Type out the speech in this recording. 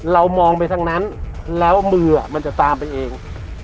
เรามองไปทางนั้นแล้วมือมันจะตามไปเอง